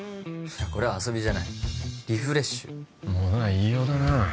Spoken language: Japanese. これは遊びじゃないリフレッシュものは言いようだな